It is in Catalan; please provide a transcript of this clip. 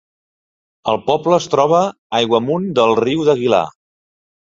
El poble es troba aigua amunt del riu d'Aguilar.